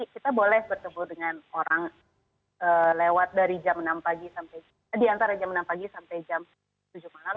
kita boleh bertemu dengan orang lewat dari jam enam pagi sampai jam tujuh malam